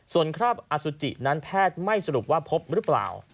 ส่วนคราบอสุจินั้นแพทย์ไม่สรุปว่าพบหรือเปล่า